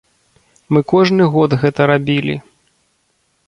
Мы кожны год гэта рабілі.